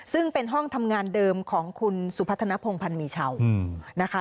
ซึ่งเป็นห้องทำงานเดิมของคุณสุพัฒนภงพันธ์มีเชานะคะ